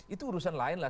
itu urusan lain lah